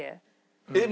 えっ？